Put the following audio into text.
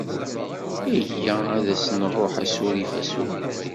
Iyya ad as-nṛuḥ asurif, asurif.